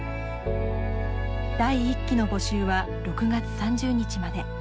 第１期の募集は６月３０日まで。